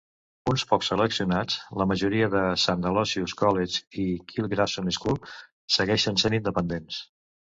Uns pocs seleccionats, la majoria de Saint Aloysius' College i Kilgraston School, segueixen sent independents.